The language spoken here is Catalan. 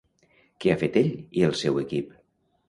Què ha fet ell i el seu equip?